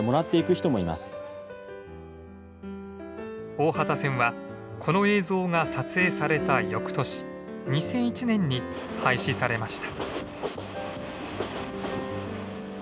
大畑線はこの映像が撮影されたよくとし２００１年に廃止されました。